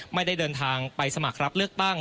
ไม่ได้เดินทางไปสมัครรับเลือกตั้ง